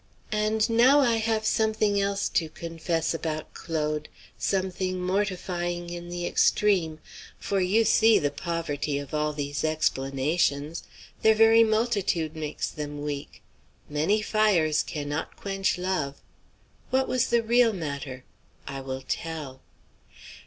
And now I have something else to confess about Claude; something mortifying in the extreme. For you see the poverty of all these explanations. Their very multitude makes them weak. "Many fires cannot quench love;" what was the real matter? I will tell.